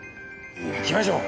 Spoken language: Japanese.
行きましょう！